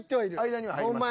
間には入りました。